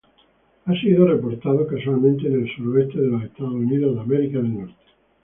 Ha sido reportado casualmente en el suroeste de los Estados Unidos.